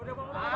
kita bangun aja